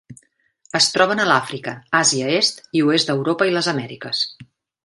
Es troben a l'Àfrica, Àsia est i oest d'Europa i les Amèriques.